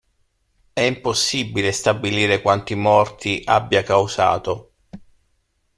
È impossibile stabilire quanti morti abbia causato.